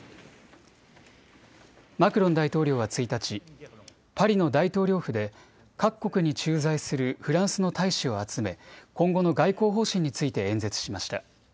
マクロン大統領は１日、パリの大統領府で各国に駐在するフランスの大使を集め今後の外交方針について演説しました。